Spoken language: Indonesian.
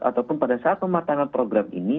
ataupun pada saat pematangan program ini